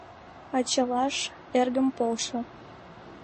Ачалаш, эргым, полшо.